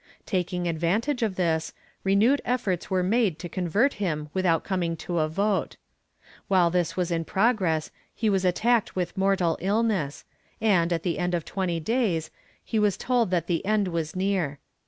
Taking advantage of this, renewed efforts were made to convert him without coming to a vote. While this was in progress he was attacked with mortal illness and, at the end of twenty days, he was told that the end was near.